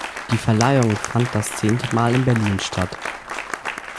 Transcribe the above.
Die Verleihung fand das zehnte Mal in Berlin statt.